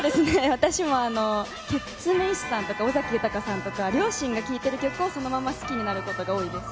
私もケツメイシさんとか尾崎豊さんとか、両親が聴いてる曲をそのまま好きになることが多いです。